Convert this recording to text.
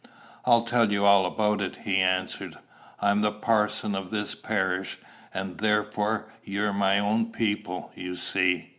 "I'll tell you all about it," he answered. "I'm the parson of this parish, and therefore you're my own people, you see."